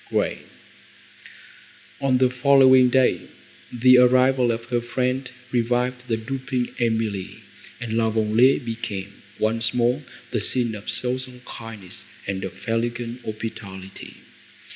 GRAY On the following day, the arrival of her friend revived the drooping Emily, and La Vallée became once more the scene of social kindness and of elegant hospitality.